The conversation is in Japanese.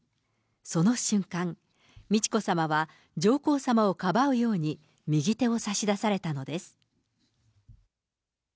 その瞬間、美智子さまは上皇さまをかばうように、右手を差し出されたのです。